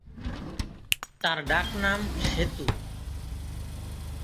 তার ডাকনাম 'সেতু'।